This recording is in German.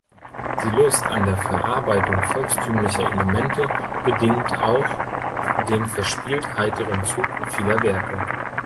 Die Lust an der Verarbeitung volkstümlicher Elemente bedingt auch den verspielt-heiteren Zug vieler Werke.